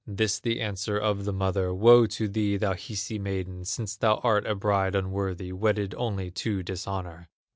This the answer of the mother: "Woe to thee, thou Hisi maiden, Since thou art a bride unworthy, Wedded only to dishonor!"